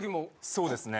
そうですね。